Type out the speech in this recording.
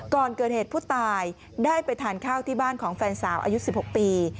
ก่อนเกิดเหตุผู้ตายได้ไปทานข้าวที่บ้านของแฟนสาวอายุ๑๖ปี